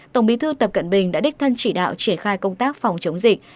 tổng bí thư tập cận bình đã đích thân chỉ đạo triển khai công tác phòng chống dịch